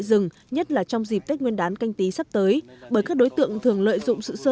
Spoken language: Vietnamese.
rừng nhất là trong dịp tết nguyên đán canh tí sắp tới bởi các đối tượng thường lợi dụng sự sơ